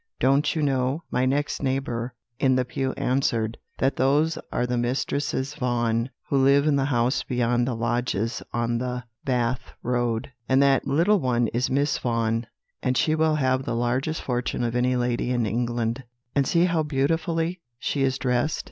'Don't you know,' my next neighbour in the pew answered, 'that those are the Mistresses Vaughan, who live in the house beyond the lodges on the Bath road; and that little one is Miss Vaughan, and she will have the largest fortune of any lady in England and see how beautifully she is dressed?'